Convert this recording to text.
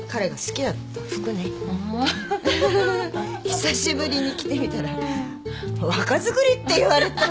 久しぶりに着てみたら若作りって言われたわ。